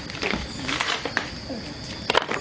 พร้อมทุกสิทธิ์